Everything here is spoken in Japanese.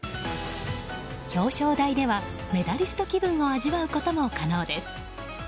表彰だいではメダリスト気分が味わうことも可能です。